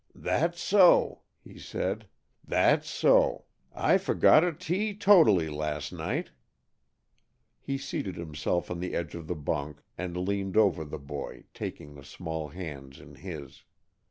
"That's so!" he said. "That's so! I forgot it teetotally last night." He seated himself on the edge of the bunk and leaned over the boy, taking the small hands in his.